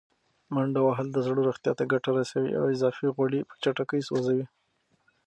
منډه وهل د زړه روغتیا ته ګټه رسوي او اضافي غوړي په چټکۍ سوځوي.